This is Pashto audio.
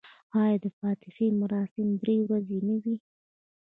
آیا د فاتحې مراسم درې ورځې نه وي؟